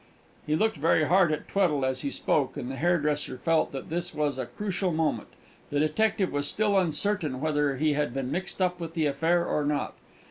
He looked very hard at Tweddle as he spoke, and the hairdresser felt that this was a crucial moment the detective was still uncertain whether he had been mixed up with the affair or not.